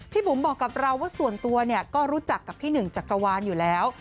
บุ๋มบอกกับเราว่าส่วนตัวเนี่ยก็รู้จักกับพี่หนึ่งจักรวาลอยู่แล้ว